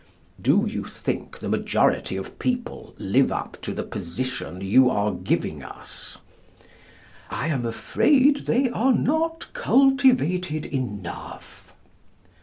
Do you think the majority of people live up to the position you are giving us? I am afraid they are not cultivated enough.